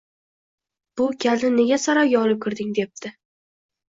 Bu kalni nega saroyga olib kirding, debdi